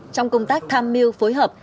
trong công tác tham mưu phối hợp